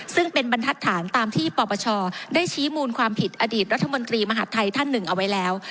ซึ่งเป็นบรรทัศน์ตามที่ปปชได้ชี้มูลความผิดอดีตรัฐมนตรีมหาดไทยท่านหนึ่งเอาไว้แล้ว